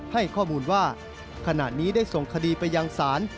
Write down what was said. ให้ข้อมูลว่าขณะนี้ได้ส่งคดีไปยังศาล